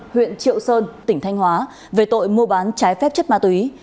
huyện triệu sơn tỉnh thanh hóa về tội mua bán trái phép chất ma túy